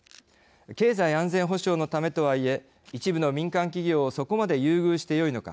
経済安全保障のためとはいえ一部の民間企業をそこまで優遇してよいのか。